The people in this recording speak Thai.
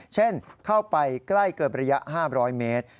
เช่นเข้าไปใกล้เกินระยะ๕๐๐เมตร